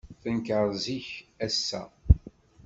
Tenker zik, ass-a.